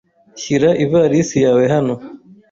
Shyira ivarisi yawe hano.